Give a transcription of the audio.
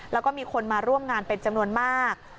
แล้วก็มีคนมาร่วมงานเป็นจำนวนมาก